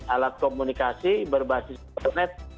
alat komunikasi berbasis internet